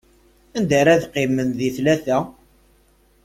Anda ara qqimen di tlata?